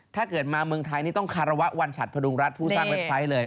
ถ้าเกิดมาเมืองไทยนี่ต้องคารวะวันฉัดพดุงรัฐผู้สร้างเว็บไซต์เลย